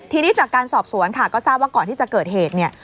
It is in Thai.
ทีนี้จากการสอบสวนค่ะก็ทราบว่าก่อนที่จะเกิดเหตุเนี่ย